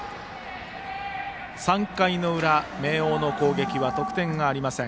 ３回の裏、明桜の攻撃は得点がありません。